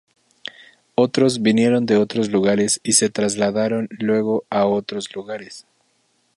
Otros vinieron de otros lugares y se trasladaron luego a a otros lugares.